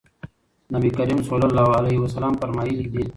نبي کريم صلی الله عليه وسلم فرمايلي دي: